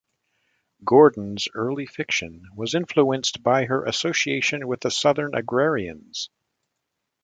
Gordon's early fiction was influenced by her association with the Southern Agrarians.